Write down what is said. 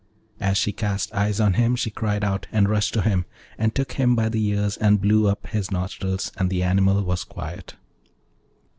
As she cast eyes on him she cried out, and rushed to him, and took him by the ears and blew up his nostrils, and the animal was quiet.